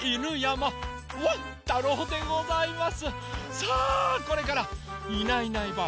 さあこれから「いないいないばあっ！